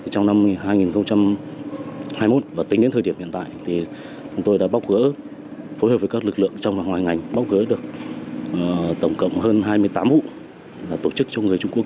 trong năm hai nghìn hai mươi một và tính đến thời điểm hiện tại chúng tôi đã bóc gỡ phối hợp với các lực lượng trong và ngoài ngành bóc gỡ được tổng cộng hơn hai mươi tám vụ tổ chức cho người trung quốc